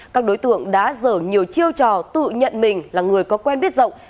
các đối tượng đã dở nhiều chiêu trò tự nhận mình là người có quen biết rộng